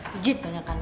pijit banyak kan